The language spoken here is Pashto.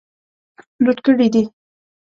لوټ کړي دي.